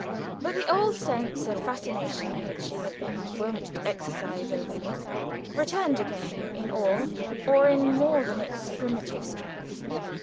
But the old sense of fascination which she had been wont to exercise over me returned again in all or in more than its primitive strength.